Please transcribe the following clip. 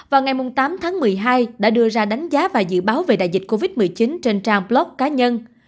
vào ngày tám tháng một mươi hai đã đưa ra đánh giá và dự báo về đại dịch covid một mươi chín trên trang blog cá nhân